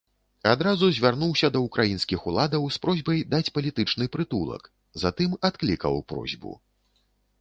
Адразу звярнуўся да ўкраінскіх уладаў з просьбай даць палітычны прытулак, затым адклікаў просьбу.